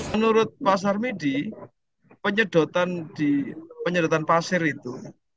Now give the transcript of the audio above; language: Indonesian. menurut pak sarmidi penyedotan pasir itu